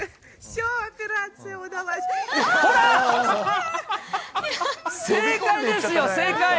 ほら、正解ですよ、正解。